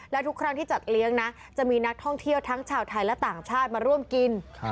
และทุกครั้งที่จัดเลี้ยงนะจะมีนักท่องเที่ยวทั้งชาวไทยและต่างชาติมาร่วมกิน